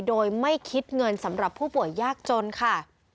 โดยไม่คิดเงินสำหรับผู้ป่วยยากจนค่ะ